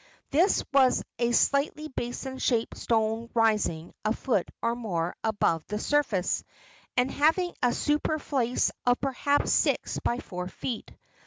This was a slightly basin shaped stone rising a foot or more above the surface, and having a superfice of perhaps six by four feet.